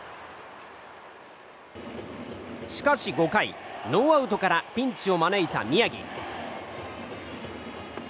しかし５回、ノーアウトからピンチを招いた宮城。